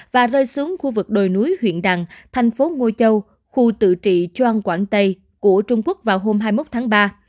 và rơi xuống khu vực đồi núi huyện đằng thành phố ngôi châu khu tự trị choang quảng tây của trung quốc vào hôm hai mươi một tháng ba